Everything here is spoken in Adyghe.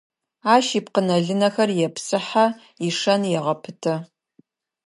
Ащ ипкъынэ-лынэхэр епсыхьэ, ишэн егъэпытэ.